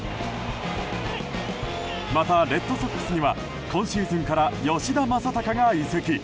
また、レッドソックスには今シーズンから吉田正尚が移籍。